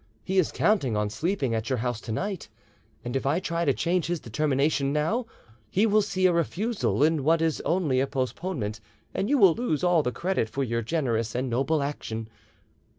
He is counting on sleeping at your house to night, and if I try to change his determination now he will see a refusal in what is only a postponement, and you will lose all the credit for your generous and noble action.